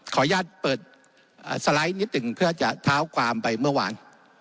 ขออนุญาตเปิดสไลด์นิดหนึ่งเพื่อจะเท้าความไปเมื่อวาน